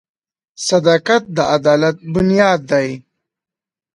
• صداقت د عدالت بنیاد دی.